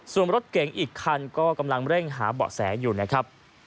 ส่วนรถเก๋งอีกคันก็กำลังเร่งหาเบาะแสอยู่นะครับ